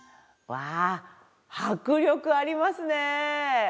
わあ迫力ありますね。